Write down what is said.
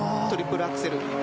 トリプルアクセル。